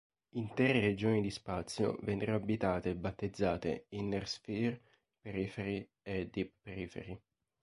Intere regioni di spazio vennero abitate e battezzate "Inner Sphere", "Periphery" e "Deep Periphery".